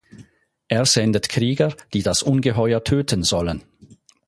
Er sendet Krieger, die das Ungeheuer töten sollen.